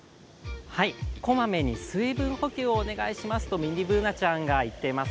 こまめに水分補給をお願いしますとミニＢｏｏｎａちゃんが言っています。